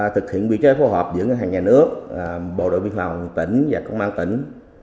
thực hiện vị trí phù hợp giữa hàng nhà nước bộ đội viện phòng tỉnh và công an tỉnh